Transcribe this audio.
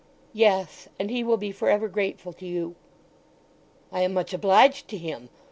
"Yes—and he will be for ever grateful to you." "I am much obliged to him....